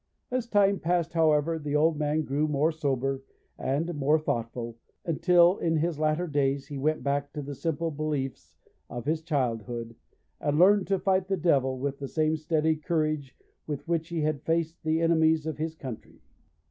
As time passed, however, the old man grew more sober and more thoughtful, until in his latter days he went back to the simple beliefs of his childhood, and learned to fight the devil with the same steady courage with which he had faced the enemies of his country.